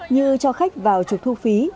như cho khách vào chụp thu phí